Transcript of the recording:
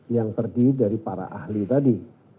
yang terdiri dari para ahli tadi